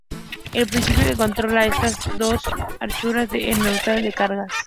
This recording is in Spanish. El principio que controla estas dos anchuras es la neutralidad de cargas.